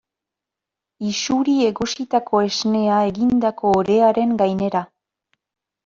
Isuri egositako esnea egindako orearen gainera.